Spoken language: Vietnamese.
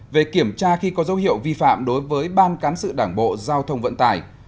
một về kiểm tra khi có dấu hiệu vi phạm đối với ban cán sự đảng bộ giao thông vận tài